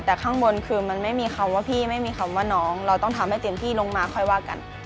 แต่ข้างบนคือมันไม่มีคำว่าพี่ไม่มีคำว่าน้องเราต้องทำให้เต็มที่ลงมาค่อยว่ากัน